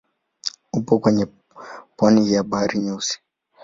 Upo kwenye pwani ya Bahari Nyeusi.